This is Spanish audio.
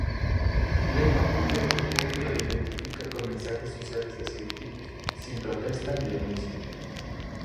Lentamente el público lo identifica con mensajes sociales descriptivos, sin protesta ni denuncia.